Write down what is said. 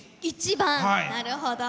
１番なるほど。